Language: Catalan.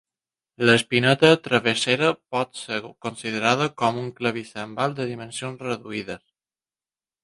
L'espineta travessera pot ser considerada com un clavicèmbal de dimensions reduïdes.